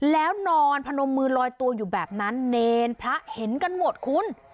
แล้วนอนพนมมือลอยตัวอยู่แบบนั้นเนรพระเห็นกันหมดคุณ